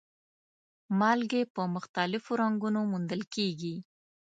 مالګې په مختلفو رنګونو موندل کیږي.